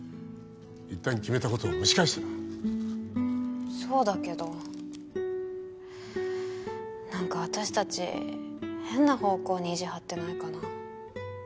一旦決めたことを蒸し返すなそうだけど何か私達変な方向に意地はってないかな？